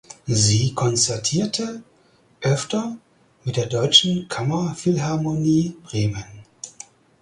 Sie konzertierte öfter mit der Deutschen Kammerphilharmonie Bremen.